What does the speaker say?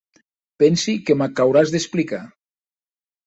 Pensi que m'ac auràs d'explicar.